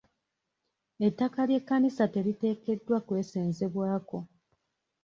Ettaka ly'ekkanisa teriteekeddwa kwesenzebwako.